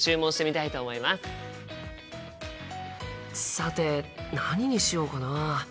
さて何にしようかな？